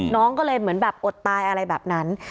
น้องก็เลยเหมือนแบบอดตายอะไรแบบนั้น